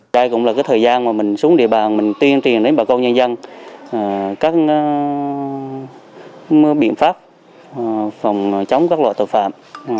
đây cũng là cái thời gian mà mình xuống địa bàn mình tuyên truyền đến bà con nhân dân các biện pháp phòng chống các loại tội phạm